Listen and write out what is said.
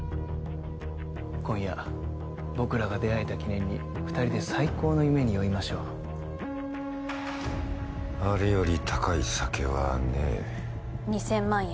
今夜僕らが出会えた記念に二人で最高の夢に酔いましょうあれより高い酒はねえ２０００万円